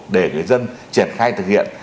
để người dân triển khai thực hiện